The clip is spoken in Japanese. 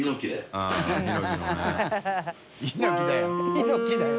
「猪木だよ」